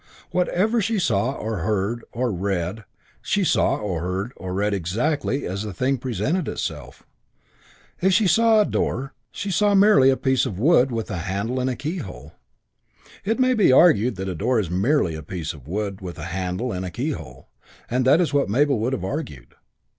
Whatever she saw or heard or read, she saw or heard or read exactly as the thing presented itself. If she saw a door she saw merely a piece of wood with a handle and a keyhole. It may be argued that a door is merely a piece of wood with a handle and a keyhole, and that is what Mabel would have argued.